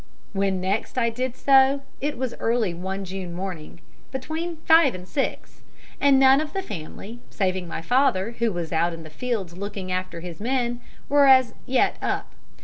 "When next I did so, it was early one June morning between five and six, and none of the family, saving my father, who was out in the fields looking after his men, were as yet up.